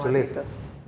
di pinggiran kota medan